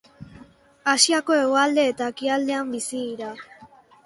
Asiako hegoalde eta ekialdean bizi dira.